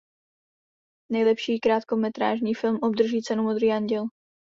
Nejlepší krátkometrážní film obdrží cenu Modrý anděl.